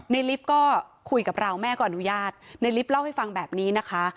ลิฟต์ก็คุยกับเราแม่ก็อนุญาตในลิฟต์เล่าให้ฟังแบบนี้นะคะ